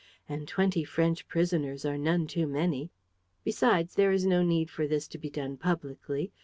And twenty French prisoners are none too many. ... Besides, there is no need for this to be done publicly.